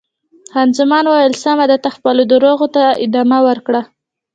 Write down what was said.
خان زمان وویل: سمه ده، ته خپلو درواغو ته ادامه ورکړه.